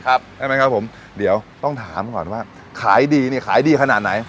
ใช่ไหมครับผมเดี๋ยวต้องถามก่อนว่าขายดีเนี่ยขายดีขนาดไหน